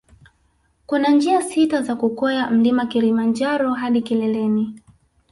Kuna njia sita za kukwea mlima Kilimanjaro hadi kileleni